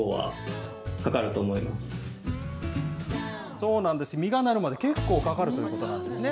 そうなんです、実がなるまで結構かかるということなんですね。